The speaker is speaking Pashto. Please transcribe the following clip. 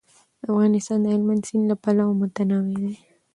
افغانستان د هلمند سیند له پلوه متنوع دی.